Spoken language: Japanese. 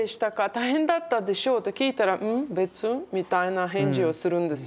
大変だったでしょう？」と聞いたら「ん？別」みたいな返事をするんですよ。